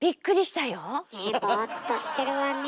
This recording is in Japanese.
ボーっとしてるわね